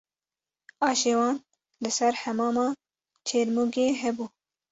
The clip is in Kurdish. Aşê wan li ser Hemama Çêrmûgê hebû